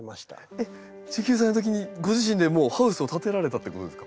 えっ１９歳の時にご自身でもうハウスを建てられたってことですか？